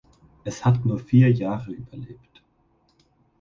Es hat nur vier Jahre überlebt.